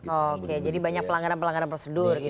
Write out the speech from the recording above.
oke jadi banyak pelanggaran pelanggaran prosedur